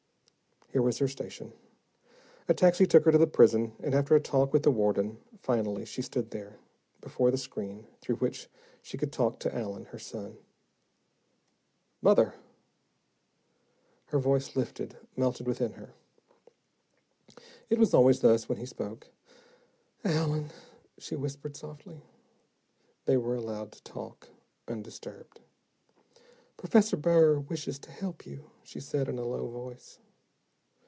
Here was her station. A taxi took her to the prison, and after a talk with the warden, finally she stood there, before the screen through which she could talk to Allen, her son. "Mother!" Her heart lifted, melted within her. It was always thus when he spoke. "Allen," she whispered softly. They were allowed to talk undisturbed. "Professor Burr wishes to help you," she said, in a low voice.